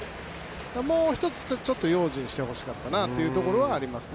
もう１つ、用心してほしかったなというところはありますね